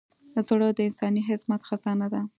زړه د انساني عظمت خزانه ده.